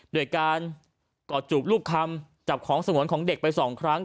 ด้วยการกอดจูบรูปคำจับของสงวนของเด็กไปสองครั้ง